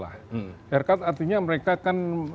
haircut artinya mereka kan